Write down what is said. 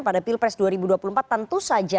pada pilpres dua ribu dua puluh empat tentu saja